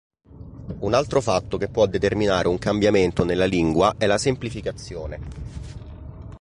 Un altro fatto che può determinare un cambiamento nella lingua è la semplificazione.